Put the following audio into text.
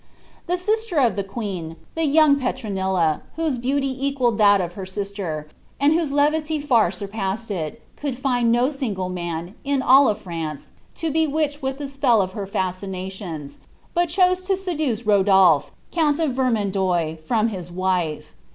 The sister of the queen, the young Petronilla, whose beauty equalled that of her sister, and whose levity far surpassed it, could find no single roan, in all France, to bewitch with the spell of her fascinations, but chose to seduce Rodolf, count of Vermandois, from his wife.